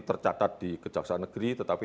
tercatat di kejaksaan negeri tetapi